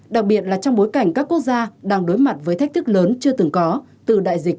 đặc biệt là trong bối cảnh các quốc gia đang đối mặt với thách thức lớn chưa từng có từ đại dịch